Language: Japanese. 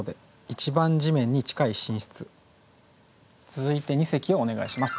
続いて二席をお願いします。